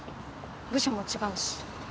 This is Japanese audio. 部署も違うし。